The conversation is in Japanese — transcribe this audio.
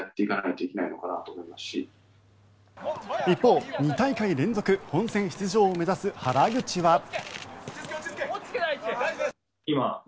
一方、２大会連続本戦出場を目指す原口は。